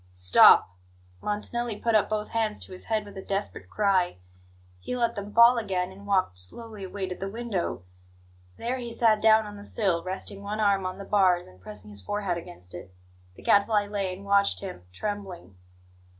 "Stop!" Montanelli put up both hands to his head with a desperate cry. He let them fall again, and walked slowly away to the window. There he sat down on the sill, resting one arm on the bars, and pressing his forehead against it. The Gadfly lay and watched him, trembling.